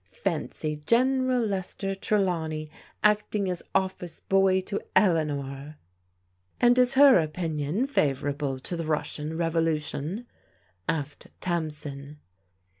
Fancy General Lester Trelawney acting as office boy to Eleanor." " And is her opinion favourable to the Russian revolu tion ?" asked Tamsin.